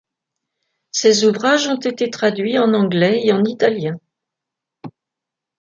Ses ouvrages ont été traduits en anglais et en italien.